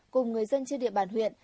cùng người dân trên địa bàn huyện